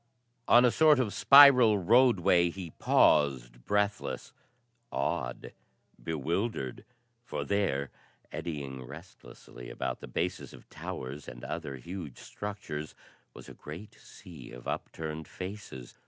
On a sort of spiral roadway he paused, breathless, awed, bewildered, for there, eddying restlessly about the bases of towers and other huge structures, was a great sea of up turned faces.